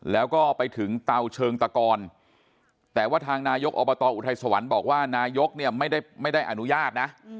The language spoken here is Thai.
แล้วก็ไปถึงเตาเชิงตะกรแต่ว่าทางนายกอบตอุทัยสวรรค์บอกว่านายกเนี่ยไม่ได้อนุญาตนะ